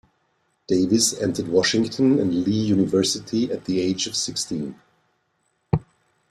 Davis entered Washington and Lee University at the age of sixteen.